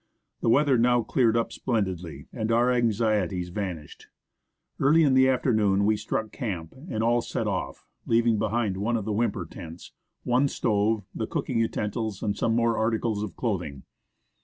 The weather now cleared up splendidly, and our anxieties vanished. Early in the afternoon we struck camp and all set off, leaving behind one of the 141 THE ASCENT OF MOUNT ST. ELIAS Whymper tents, one stove, the cooking utensils, and some more articles of clothing.